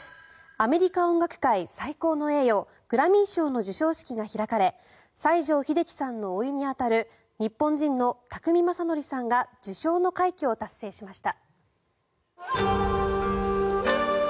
アメリカ音楽界最高の栄誉グラミー賞の授賞式が開かれ西城秀樹さんのおいに当たる日本人の宅見将典さんが受賞の快挙を達成しました。